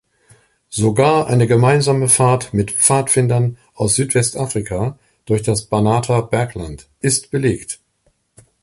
Sogar eine gemeinsame Fahrt mit Pfadfindern aus Südwestafrika durch das Banater Bergland ist belegt.